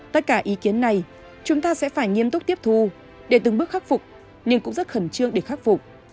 tất cả ý kiến này chúng ta sẽ phải nghiêm túc tiếp thu để từng bước khắc phục nhưng cũng rất khẩn trương để khắc phục